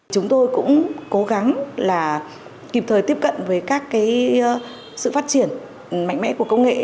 chúng tôi cũng cố gắng là kịp thời tiếp cận với các sự phát triển mạnh mẽ của công nghệ